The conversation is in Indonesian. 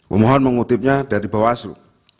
pemohon mengutipnya dari bawah aslu